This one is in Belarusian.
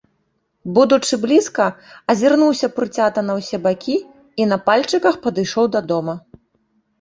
Будучы блізка, азірнуўся прыцята на ўсе бакі і на пальчыках падышоў да дома.